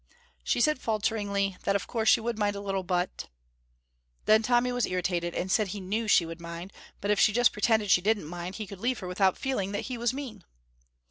She said falteringly that of course she would mind a little, but Then Tommy was irritated, and said he knew she would mind, but if she just pretended she didn't mind, he could leave her without feeling that he was mean.